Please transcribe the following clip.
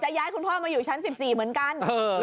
ย้ายคุณพ่อมาอยู่ชั้น๑๔เหมือนกัน